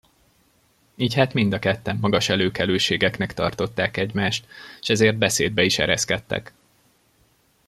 Így hát mind a ketten magas előkelőségeknek tartották egymást, s ezért beszédbe is ereszkedtek.